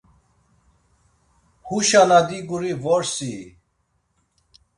Huşa na diguri vorsi i.